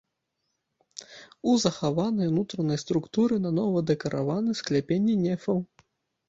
У захаванай унутранай структуры нанова дэкараваны скляпенні нефаў.